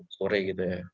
kure gitu ya